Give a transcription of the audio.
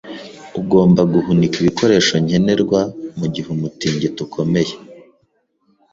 Ugomba guhunika ibikoresho nkenerwa mugihe umutingito ukomeye.